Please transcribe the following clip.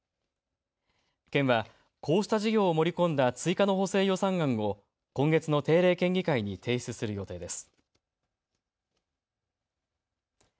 県はこうした事業を盛り込んだ追加の補正予算案を今月の定例県議会に提出する予定です。